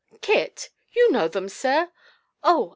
Kit! You know them, sir! Oh!